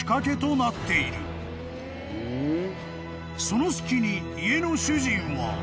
［その隙に家の主人は］